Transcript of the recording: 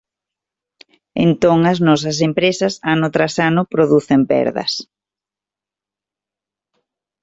Entón as nosas empresas ano tras ano producen perdas.